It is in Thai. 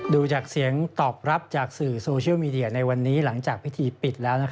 ดูจากเสียงตอบรับจากสื่อโซเชียลมีเดียในวันนี้หลังจากพิธีปิดแล้ว